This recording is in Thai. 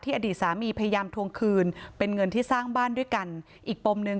อดีตสามีพยายามทวงคืนเป็นเงินที่สร้างบ้านด้วยกันอีกปมหนึ่ง